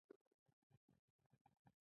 توکی باید دوه ځانګړتیاوې ولري.